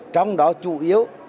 trong đó chủ yếu